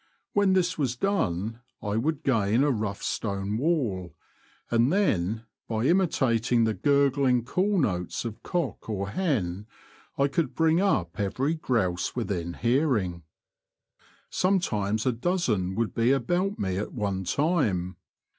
When this was done I would gain a rough stone wall, and then, by imitating the gurgling call notes of cock or hen I could bring up every grouse within hearing. Some times a dozen would be about me at one time.